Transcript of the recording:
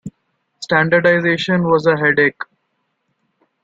Standardisation was a headache.